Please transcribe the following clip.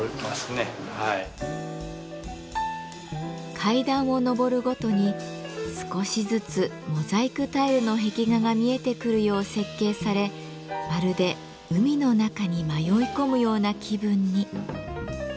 階段を上るごとに少しずつモザイクタイルの壁画が見えてくるよう設計されまるで海の中に迷い込むような気分に。